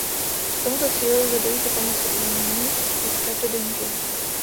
K tomuto cíli lze dojít i pomocí umění žít každodenní život.